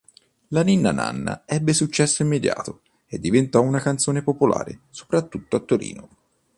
La ninna-nanna ebbe successo immediato e diventò una canzone popolare soprattutto a Torino.